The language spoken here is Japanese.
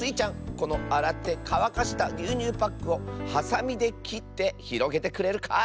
このあらってかわかしたぎゅうにゅうパックをはさみできってひろげてくれるかい？